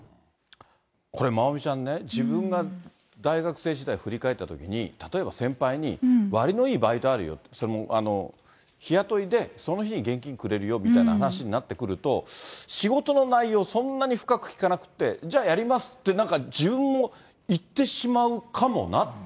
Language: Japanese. これ、まおみちゃんね、自分が大学生時代振り返ったときに、例えば、先輩にわりのいいバイトあるよ、それも日雇いで、その日に現金くれるよみたいな話になってくると、仕事の内容、そんなに深く聞かなくって、じゃあ、やりますって、なんか自分も言ってしまうかもなって。